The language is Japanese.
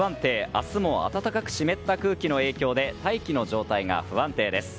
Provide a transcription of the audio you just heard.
明日も暖かく湿った空気の影響で大気の状態が不安定です。